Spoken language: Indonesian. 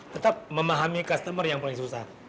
tetap memahami customer yang paling susah